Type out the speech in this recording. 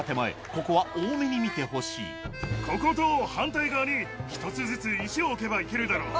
ここは大目に見てほしいここと反対側に１つずつ石を置けばいけるだろう。